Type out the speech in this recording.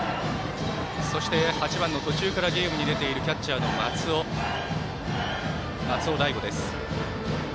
そして、８番の途中からゲームに出ているキャッチャーの松尾大悟です。